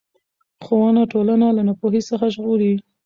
ښوونه ټولنه له ناپوهۍ څخه ژغوري